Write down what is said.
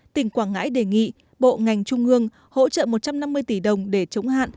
tỉnh quảng ngãi đề nghị bộ ngành trung ương hỗ trợ một trăm năm mươi tỷ đồng để chống hạn